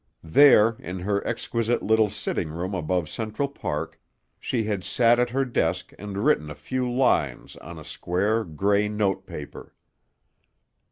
There in her exquisite, little sitting room above Central Park, she had sat at her desk and written a few lines on square, gray note paper.